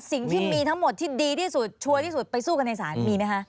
สิ่งที่มีทั้งหมดที่ดีที่สุดชัวร์ที่สุดไปสู้กันในศาลมีไหมคะ